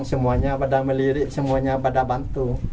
semuanya pada melirik semuanya pada bantu